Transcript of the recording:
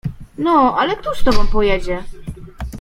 No, ale któż z tobą pojedzie?